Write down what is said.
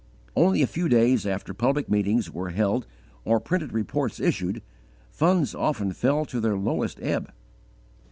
Only a few days after public meetings were held or printed reports issued, funds often fell to their lowest ebb.